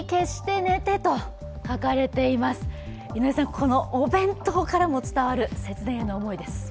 このお弁当からも伝わる節電への思いです。